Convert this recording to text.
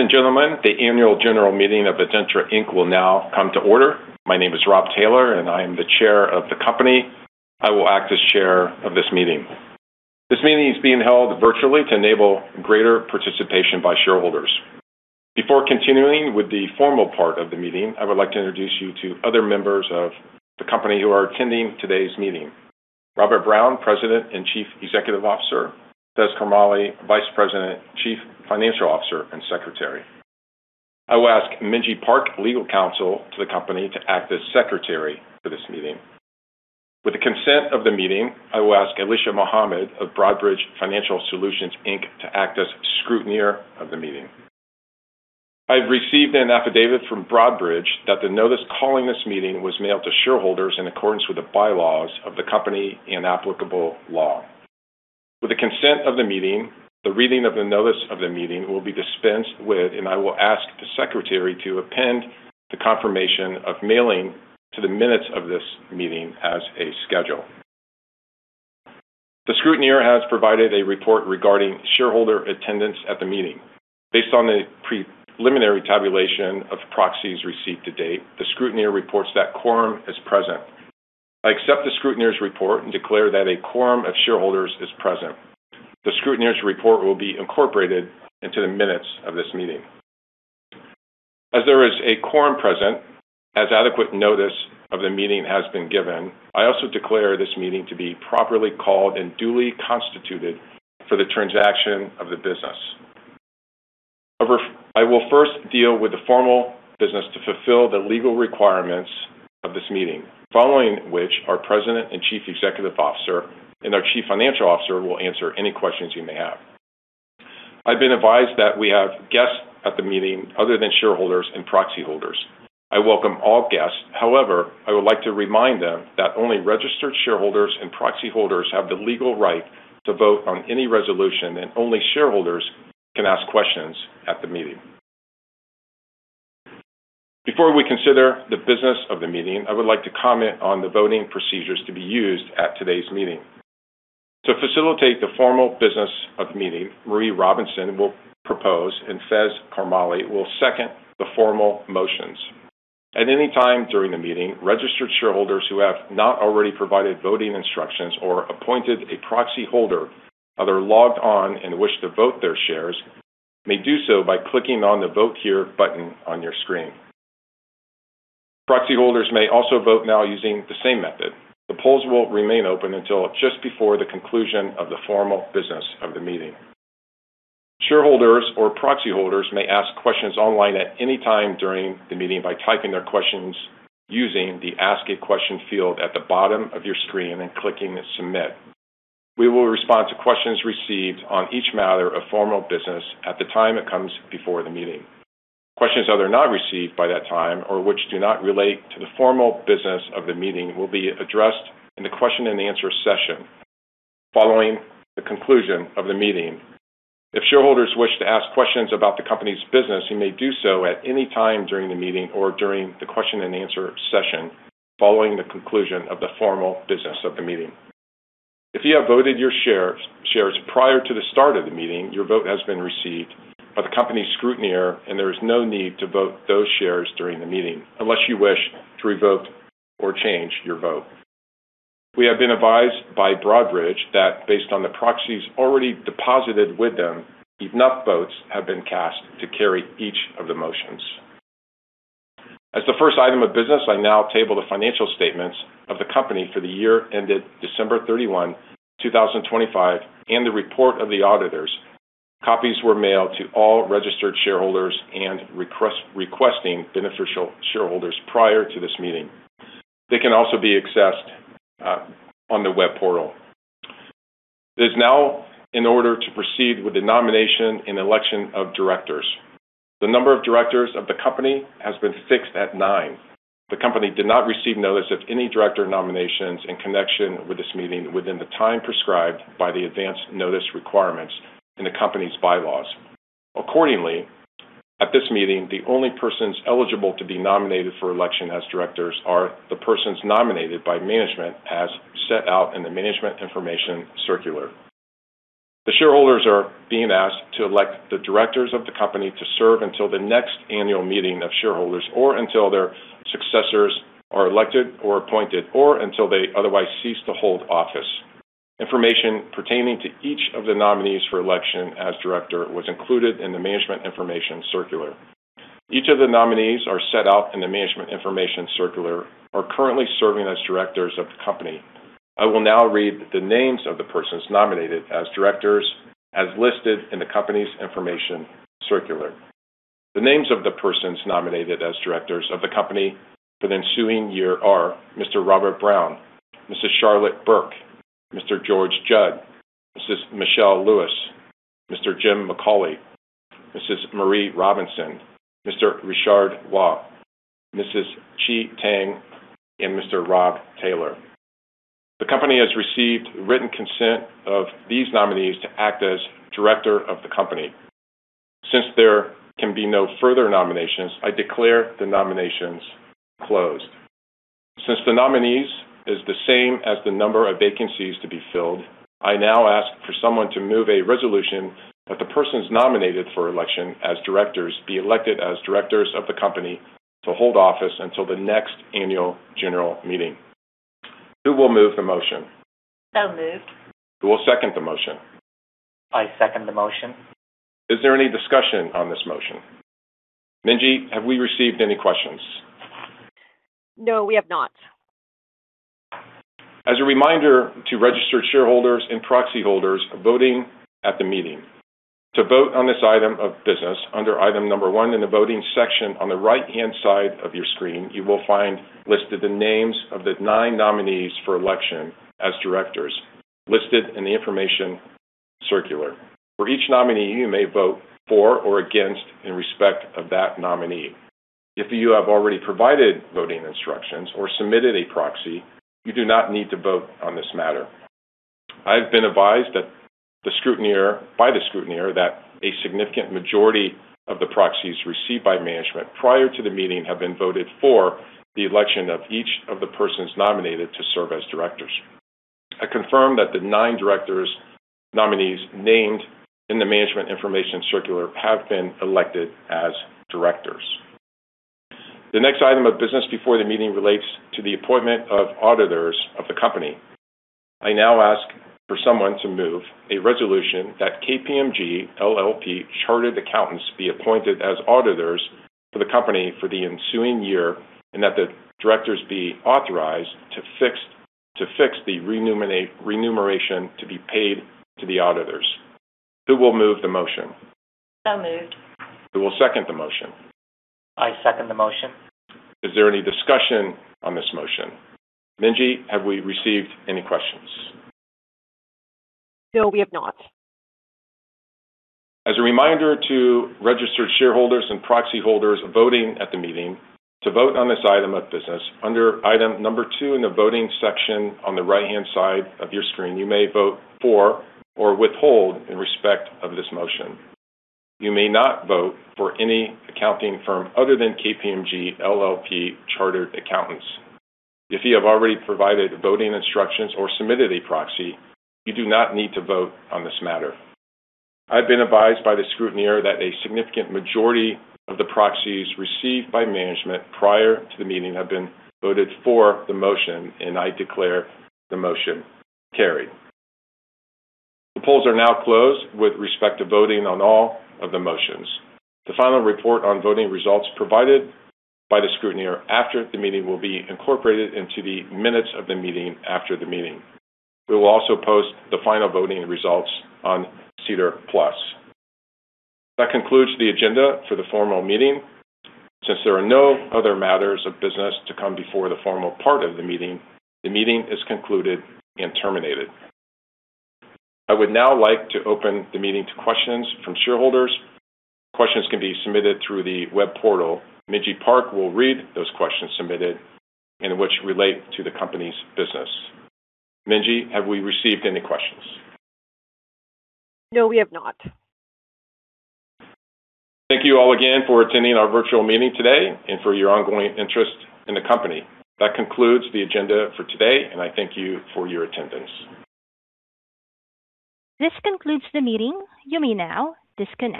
Ladies and gentlemen, the annual general meeting of ADENTRA Inc will now come to order. My name is Rob Taylor, and I am the chair of the company. I will act as chair of this meeting. This meeting is being held virtually to enable greater participation by shareholders. Before continuing with the formal part of the meeting, I would like to introduce you to other members of the company who are attending today's meeting. Robert Brown, President and Chief Executive Officer. Faiz Karmally, Vice President, Chief Financial Officer, and Secretary. I will ask Minji Park, Legal Counsel to the company, to act as secretary for this meeting. With the consent of the meeting, I will ask Alicia Mohammed of Broadridge Financial Solutions, Inc to act as scrutineer of the meeting. I have received an affidavit from Broadridge that the notice calling this meeting was mailed to shareholders in accordance with the bylaws of the company and applicable law. With the consent of the meeting, the reading of the notice of the meeting will be dispensed with, and I will ask the Secretary to append the confirmation of mailing to the minutes of this meeting as a schedule. The scrutineer has provided a report regarding shareholder attendance at the meeting. Based on the preliminary tabulation of proxies received to date, the scrutineer reports that quorum is present. I accept the scrutineer's report and declare that a quorum of shareholders is present. The scrutineer's report will be incorporated into the minutes of this meeting. As there is a quorum present, as adequate notice of the meeting has been given, I also declare this meeting to be properly called and duly constituted for the transaction of the business. I will first deal with the formal business to fulfill the legal requirements of this meeting, following which our President and Chief Executive Officer and our Chief Financial Officer will answer any questions you may have. I've been advised that we have guests at the meeting other than shareholders and proxy holders. I welcome all guests. However, I would like to remind them that only registered shareholders and proxy holders have the legal right to vote on any resolution, and only shareholders can ask questions at the meeting. Before we consider the business of the meeting, I would like to comment on the voting procedures to be used at today's meeting. To facilitate the formal business of the meeting, Marie Robinson will propose, and Faiz Karmally will second the formal motions. At any time during the meeting, registered shareholders who have not already provided voting instructions or appointed a proxy holder, either logged on and wish to vote their shares, may do so by clicking on the Vote Here button on your screen. Proxy holders may also vote now using the same method. The polls will remain open until just before the conclusion of the formal business of the meeting. Shareholders or proxy holders may ask questions online at any time during the meeting by typing their questions using the Ask a Question field at the bottom of your screen and clicking Submit. We will respond to questions received on each matter of formal business at the time it comes before the meeting. Questions that are not received by that time or which do not relate to the formal business of the meeting will be addressed in the question and answer session following the conclusion of the meeting. If shareholders wish to ask questions about the company's business, you may do so at any time during the meeting or during the question and answer session following the conclusion of the formal business of the meeting. If you have voted your shares prior to the start of the meeting, your vote has been received by the company scrutineer, and there is no need to vote those shares during the meeting unless you wish to revoke or change your vote. We have been advised by Broadridge that based on the proxies already deposited with them, enough votes have been cast to carry each of the motions. As the first item of business, I now table the financial statements of the company for the year ended December 31, 2025, and the report of the auditors. Copies were mailed to all registered shareholders and request, requesting beneficial shareholders prior to this meeting. They can also be accessed on the web portal. It is now in order to proceed with the nomination and election of directors. The number of directors of the company has been fixed at nine. The company did not receive notice of any director nominations in connection with this meeting within the time prescribed by the advance notice requirements in the company's bylaws. Accordingly, at this meeting, the only persons eligible to be nominated for election as directors are the persons nominated by management as set out in the management information circular. The shareholders are being asked to elect the directors of the company to serve until the next annual meeting of shareholders or until their successors are elected or appointed, or until they otherwise cease to hold office. Information pertaining to each of the nominees for election as director was included in the management information circular. Each of the nominees set out in the management information circular are currently serving as directors of the company. I will now read the names of the persons nominated as directors as listed in the company's information circular. The names of the persons nominated as directors of the company for the ensuing year are Mr. Robert Brown, Mrs. Charlotte Burke, Mr. George Judd, Mrs. Michelle Lewis, Mr. Jim McCauley, Mrs. Marie Robinson, Mr. Richard Waugh, Mrs. Qi Tang, and Mr. Rob Taylor. The company has received written consent of these nominees to act as director of the company. Since there can be no further nominations, I declare the nominations closed. Since the nominees is the same as the number of vacancies to be filled, I now ask for someone to move a resolution that the persons nominated for election as directors be elected as directors of the company to hold office until the next annual general meeting. Who will move the motion? So moved. Who will second the motion? I second the motion. Is there any discussion on this motion? Minji, have we received any questions? No, we have not. As a reminder to registered shareholders and proxy holders voting at the meeting, to vote on this item of business under item number one in the voting section on the right-hand side of your screen, you will find listed the names of the nine nominees for election as directors listed in the information circular. For each nominee, you may vote for or against in respect of that nominee. If you have already provided voting instructions or submitted a proxy, you do not need to vote on this matter. I've been advised by the scrutineer that a significant majority of the proxies received by management prior to the meeting have been voted for the election of each of the persons nominated to serve as directors. I confirm that the nine directors nominees named in the management information circular have been elected as directors. The next item of business before the meeting relates to the appointment of auditors of the company. I now ask for someone to move a resolution that KPMG LLP Chartered Accountants be appointed as auditors for the company for the ensuing year and that the directors be authorized to fix the remuneration to be paid to the auditors. Who will move the motion? So moved. Who will second the motion? I second the motion. Is there any discussion on this motion? Minji, have we received any questions? No, we have not. As a reminder to registered shareholders and proxy holders voting at the meeting, to vote on this item of business under item number two in the voting section on the right-hand side of your screen, you may vote for or withhold in respect of this motion. You may not vote for any accounting firm other than KPMG LLP Chartered Accountants. If you have already provided voting instructions or submitted a proxy, you do not need to vote on this matter. I've been advised by the scrutineer that a significant majority of the proxies received by management prior to the meeting have been voted for the motion, and I declare the motion carried. The polls are now closed with respect to voting on all of the motions. The final report on voting results provided by the scrutineer after the meeting will be incorporated into the minutes of the meeting after the meeting. We will also post the final voting results on SEDAR+. That concludes the agenda for the formal meeting. Since there are no other matters of business to come before the formal part of the meeting, the meeting is concluded and terminated. I would now like to open the meeting to questions from shareholders. Questions can be submitted through the web portal. Minji Park will read those questions submitted and which relate to the company's business. Minji, have we received any questions? No, we have not. Thank you all again for attending our virtual meeting today and for your ongoing interest in the company. That concludes the agenda for today, and I thank you for your attendance. This concludes the meeting. You may now disconnect.